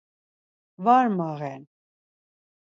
Var mağen.